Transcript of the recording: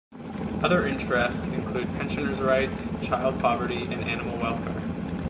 Other interests include pensioners rights, child poverty and animal welfare.